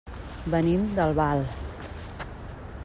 Venim d'Albal.